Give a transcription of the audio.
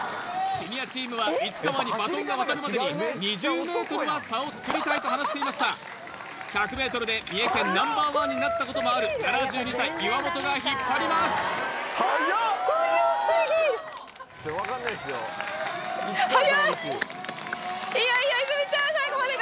シニアチームは市川にバトンが渡るまでに２０ｍは差を作りたいと話していました１００ｍで三重県Ｎｏ．１になったこともある７２歳岩本が引っ張りますいいよいいよ